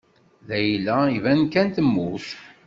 Layla iban kan temmut.